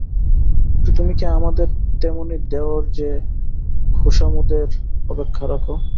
কিন্তু, তুমি কি আমাদের তেমনি দেওর যে খোশামোদের অপেক্ষা রাখ?